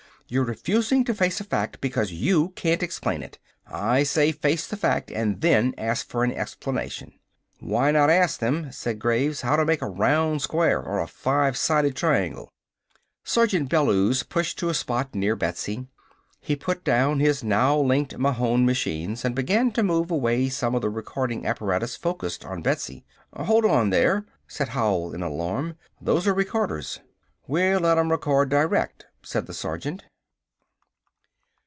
"You're refusing to face a fact because you can't explain it. I say face the fact and then ask for an explanation!" "Why not ask them," said Graves, "how to make a round square or a five sided triangle?" Sergeant Bellews pushed to a spot near Betsy. He put down his now linked Mahon machines and began to move away some of the recording apparatus focused on Betsy. "Hold on there!" said Howell in alarm. "Those are recorders!" "We'll let 'em record direct," said the sergeant.